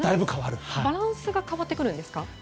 バランスのとり方が変わってくるんですか？